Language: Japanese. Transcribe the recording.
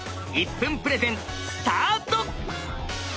１分プレゼンスタート！